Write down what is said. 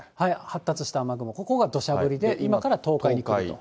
発達した雨雲、ここがどしゃ降りで、今から東海に来ると。